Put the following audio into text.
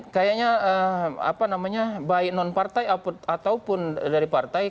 kayaknya apa namanya baik non partai ataupun dari partai